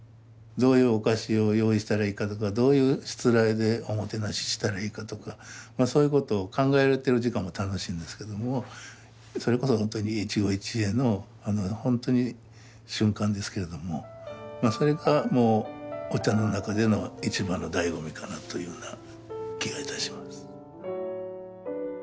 どういうお菓子を用意したらいいかとかどういうしつらえでおもてなししたらいいかとかそういうことを考えてる時間も楽しいんですけどもそれこそ本当に一期一会の本当に瞬間ですけれどもそれがお茶の中での一番の醍醐味かなというふうな気が致します。